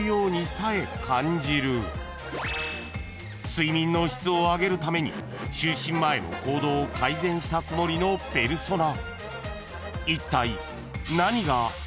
［睡眠の質を上げるために就寝前の行動を改善したつもりのペルソナ］